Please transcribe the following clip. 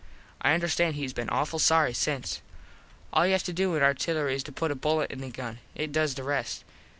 I understand hes been awful sorry since. All you have to do in artillery is to put a bullet in the gun. It does the rest.